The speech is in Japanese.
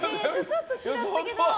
ちょっと違ったけど。